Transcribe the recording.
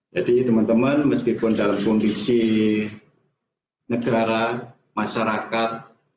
jadi teman teman meskipun dalam kondisi negara masyarakat